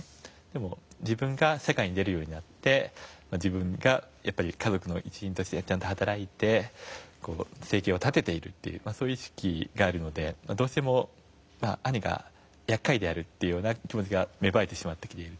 でも自分が社会に出るようになって自分が家族の一員としてちゃんと働いて生計を立てているという意識があるのでどうしても兄が厄介であるという気持ちが芽生えてしまっている。